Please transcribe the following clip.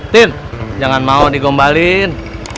tin jangan mau digombalin